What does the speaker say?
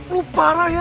lu parah ya